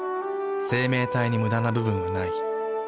生命体にムダな部分はない。